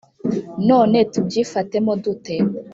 none tubyifatemo dute